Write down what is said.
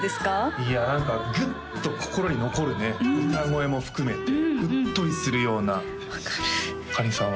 いや何かグッと心に残るね歌声も含めてうっとりするような分かるかりんさんは？